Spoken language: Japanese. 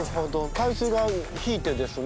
海水が引いてですね